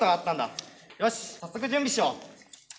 よし早速準備しよう！